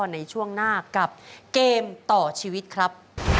ในช่วงหน้ากับเกมต่อชีวิตครับ